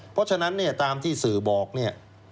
เพราะฉะนั้นเนี่ยตามที่สื่อบอกเนี่ย